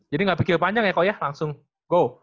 jadi nggak pikir panjang ya kok ya langsung go